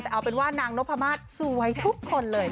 แต่เอาเป็นว่านางนพมาศสวยทุกคนเลย